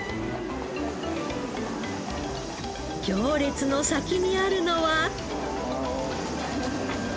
行列の先にあるのは。